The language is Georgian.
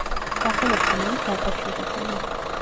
სახელებთან არის დაკავშირებული.